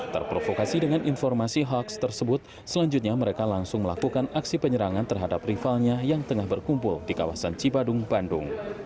terprovokasi dengan informasi hoax tersebut selanjutnya mereka langsung melakukan aksi penyerangan terhadap rivalnya yang tengah berkumpul di kawasan cipadung bandung